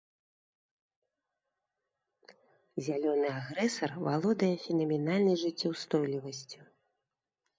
Зялёны агрэсар валодае фенаменальнай жыццеўстойлівасцю.